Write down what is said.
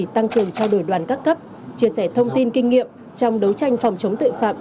tăng cường trao đổi đoàn các cấp chia sẻ thông tin kinh nghiệm trong đấu tranh phòng chống tội phạm